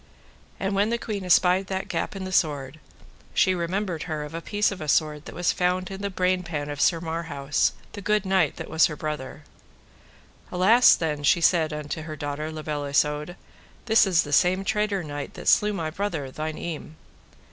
And when the queen espied that gap in the sword, she remembered her of a piece of a sword that was found in the brain pan of Sir Marhaus, the good knight that was her brother. Alas then, said she unto her daughter, La Beale Isoud, this is the same traitor knight that slew my brother, thine eme.